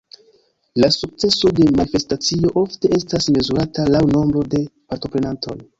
La sukceso de manifestacio ofte estas mezurata laŭ nombro de partoprenantoj.